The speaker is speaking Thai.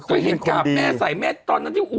เคยเห็นาการแม่ใส่แม่ตอนที่